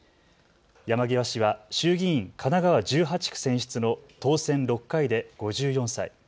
山際氏は衆議院神奈川１８区選出の当選６回で５４歳。